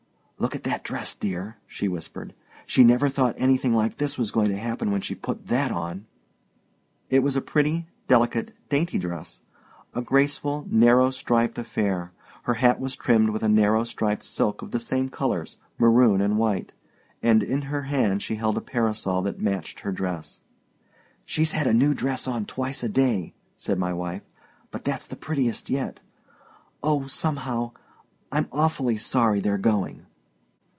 "Look at that dress, dear," she whispered; "she never thought anything like this was going to happen when she put that on." It was a pretty, delicate, dainty dress, a graceful, narrow striped affair. Her hat was trimmed with a narrow striped silk of the same colors—maroon and white—and in her hand she held a parasol that matched her dress. "She's had a new dress on twice a day," said my wife, "but that's the prettiest yet. Oh, somehow—I'm awfully sorry they're going!"